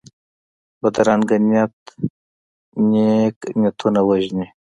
بدرنګه نیت نېک نیتونه وژني